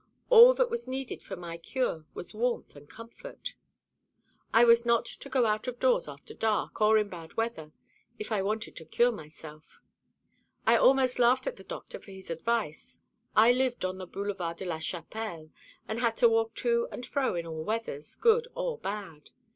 All that was needed for my cure was warmth and comfort. I was not to go out of doors after dark, or in bad weather, if I wanted to cure myself. I almost laughed at the doctor for his advice. I lived on the Boulevard de la Chapelle, and had to walk to and fro in all weathers, good or bad.